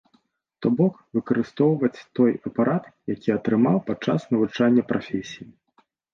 То бок выкарыстоўваць той апарат, які атрымаў падчас навучання прафесіі.